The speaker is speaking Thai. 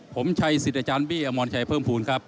ผมชัยสิริจัจรอมมอนชัยเปิ้มภูมิครับ